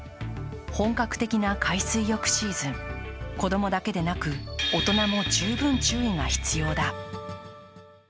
本格的な海水浴シーズン、子供だけでなく大人も十分注意が必要だ。